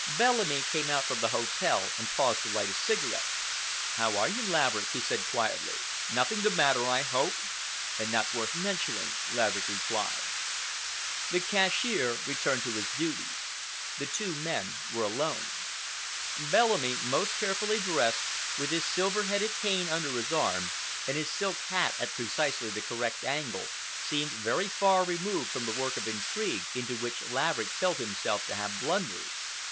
Bellamy came out from the hotel and paused to light a cigarette. "How are you, Laverick?" he said quietly. "Nothing the matter, I hope?" "Nothing worth mentioning," Laverick replied. The cashier returned to his duties. The two men were alone. Bellamy, most carefully dressed, with his silver headed cane under his arm, and his silk hat at precisely the correct angle, seemed very far removed from the work of intrigue into which Laverick felt himself to have blundered.